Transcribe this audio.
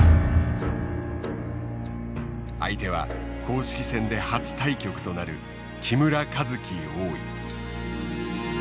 相手は公式戦で初対局となる木村一基王位。